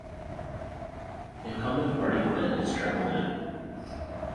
Incumbent Marty Quinn is term limited.